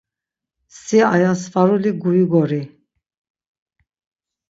Si aya svaruli guigori.